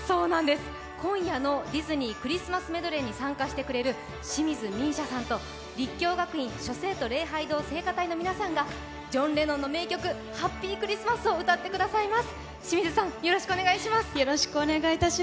今夜のディズニークリスマスメドレーに参加してくれる清水美依紗さんと立教学院諸聖徒礼拝堂聖歌隊の皆さんがジョン・レノンの名曲「ハッピー・クリスマス」を歌ってくださいます。